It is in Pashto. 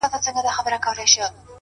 زه ستا په ځان كي يم ماته پيدا كړه;